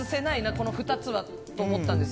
この２つはと思ったんです。